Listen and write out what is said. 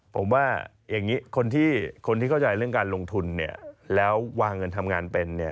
ผมว่าอย่างนี้คนที่เข้าใจเรื่องการลงทุนแล้ววางเงินทำงานเป็น